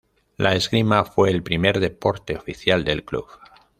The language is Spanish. La esgrima fue el primer deporte oficial del club.